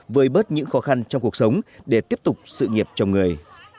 với bớt những khó khăn trong cuộc sống để tiếp tục sự nghiệp trong người